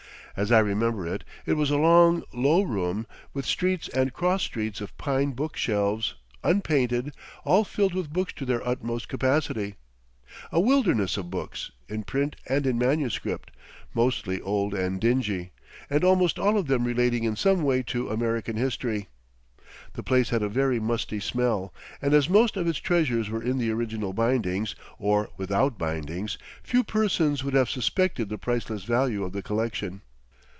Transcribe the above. As I remember it, it was a long, low room, with streets and cross streets of pine book shelves, unpainted, all filled with books to their utmost capacity a wilderness of books, in print and in manuscript, mostly old and dingy, and almost all of them relating in some way to American history. The place had a very musty smell; and as most of its treasures were in the original bindings, or without bindings, few persons would have suspected the priceless value of the collection.